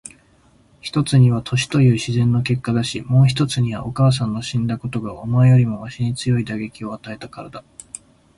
一つには年という自然の結果だし、もう一つにはお母さんの死んだことがお前よりもわしに強い打撃を与えたからだ。